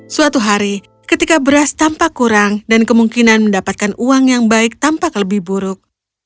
suatu hari ketika beras tampak kurang dan kemungkinan mendapatkan uang yang baik tampak lebih buruk